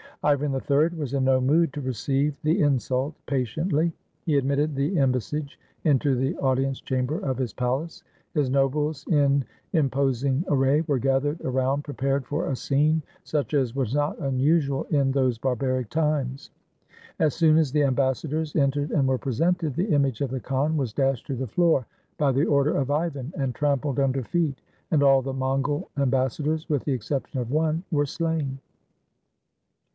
Ivan III was in no mood to receive the insult patiently. He admitted the embassage into the audience chamber of his palace. His nobles, in imposing array, were gathered around prepared for a scene such as was not unusual in those barbaric times. As soon as the ambassadors en tered and were presented, the image of the khan was dashed to the floor, by the order of Ivan, and trampled under feet; and all the Mongol ambassadors, with the exception of one, were slain.